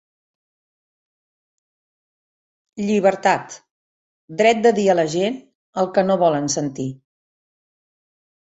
Llibertat: dret de dir a la gent el que no volen sentir.